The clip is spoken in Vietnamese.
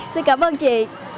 xin cảm ơn chị